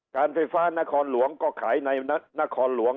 การไฟฟ้านครหลวงก็ขายในนครหลวง